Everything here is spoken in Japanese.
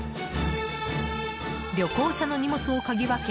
旅行者の荷物をかぎ分け